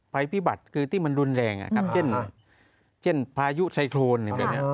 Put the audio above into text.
ภัยพิบัตรคือที่มันรุนแรงครับเช่นภายุไซโครน